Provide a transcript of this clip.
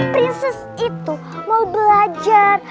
prinses itu mau belajar